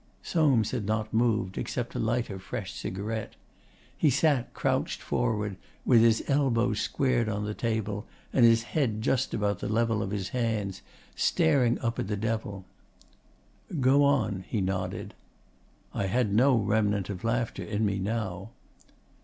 Soames had not moved, except to light a fresh cigarette. He sat crouched forward, with his elbows squared on the table, and his head just above the level of his hands, staring up at the Devil. 'Go on,' he nodded. I had no remnant of laughter in me now.